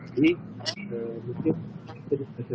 mungkin itu disesuaikan terlalu benar